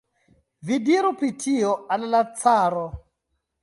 Vi diru pri tio al la caro!